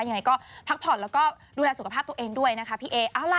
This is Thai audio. ยังไงก็พักผ่อนแล้วก็ดูแลสุขภาพตัวเองด้วยนะคะพี่เอ